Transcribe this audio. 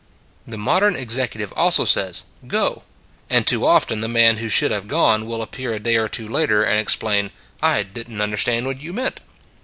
The modern executive also says " Go," and too often the man who should have gone will appear a day or two later and explain, " I didn t understand what you meant."